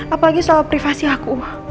apalagi soal privasi aku